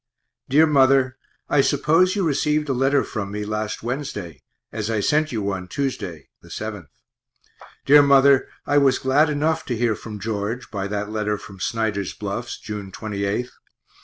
_ DEAR MOTHER I suppose you rec'd a letter from me last Wednesday, as I sent you one Tuesday (7th). Dear mother, I was glad enough to hear from George, by that letter from Snyder's Bluffs, June 28th.